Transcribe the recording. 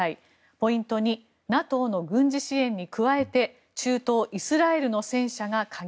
ポイント２ＮＡＴＯの軍事支援に加えて中東イスラエルの戦車が鍵？